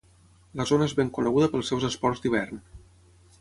La zona és ben coneguda pels seus esports d'hivern.